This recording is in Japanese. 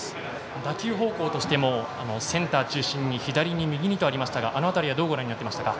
打球方向としてもセンター中心に左に右にとありましたがあの辺りはどうご覧になっていましたか？